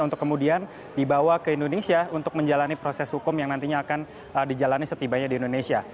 untuk kemudian dibawa ke indonesia untuk menjalani proses hukum yang nantinya akan dijalani setibanya di indonesia